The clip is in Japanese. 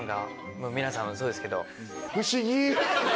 まぁ皆さんもそうですけど。